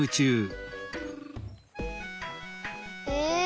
え？